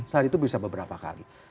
saat itu bisa beberapa kali